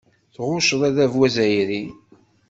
Tɣucceḍ adabu azzayri.